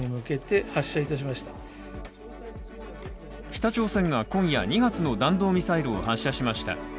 北朝鮮が今夜、２発の弾道ミサイルを発射しました。